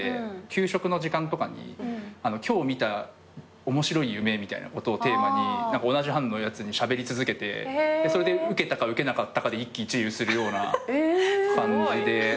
給食の時間とかに今日見た面白い夢みたいなことをテーマに同じ班のやつにしゃべり続けてそれでウケたかウケなかったかで一喜一憂するような感じで。